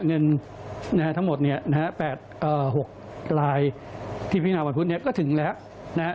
เงินทั้งหมดเนี่ย๘๖รายที่พิจารณาวันพุธเนี่ยก็ถึงแล้วนะครับ